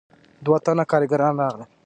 دوه تنه کارګران راغلل.